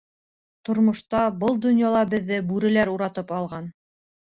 Тормошта, был донъяла беҙҙе бүреләр уратып алған.